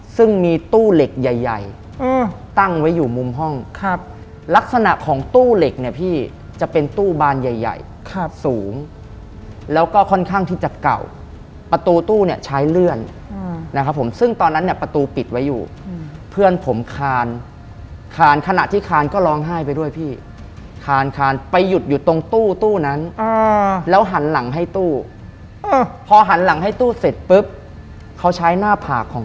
ซึ่งมีตู้เหล็กใหญ่ใหญ่ตั้งไว้อยู่มุมห้องครับลักษณะของตู้เหล็กเนี่ยพี่จะเป็นตู้บานใหญ่สูงแล้วก็ค่อนข้างที่จะเก่าประตูตู้เนี่ยใช้เลื่อนนะครับผมซึ่งตอนนั้นเนี่ยประตูปิดไว้อยู่เพื่อนผมคานคานขณะที่คานก็ร้องไห้ไปด้วยพี่คานคานไปหยุดอยู่ตรงตู้นั้นแล้วหันหลังให้ตู้พอหันหลังให้ตู้เสร็จปุ๊บเขาใช้หน้าผากของ